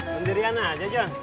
sendirian aja jon